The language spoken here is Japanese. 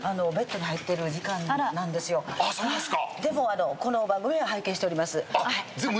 そうなんですか！